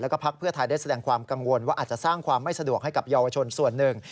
แล้วก็พักเพื่อไทยได้แสดงความกังวลว่าอาจจะสร้างความไม่สะดวกให้กับเยาวชนส่วนหนึ่ง